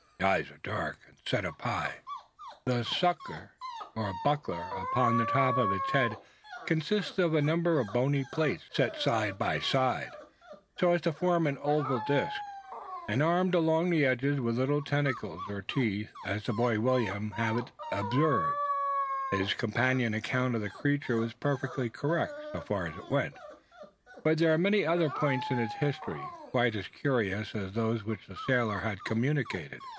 The eyes are dark, and set high up. The "sucker" or buckler upon the top of its head consists of a number of bony plates, set side by side, so as to form an oval disc, and armed along the edges with little tentacles, or teeth, as the boy William had observed. His companion's account of the creature was perfectly correct, so far as it went; but there are many other points in its "history" quite as curious as those which the sailor had communicated.